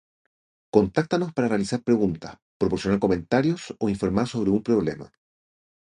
Contáctenos para realizar preguntas, proporcionar comentarios o informar sobre un problema.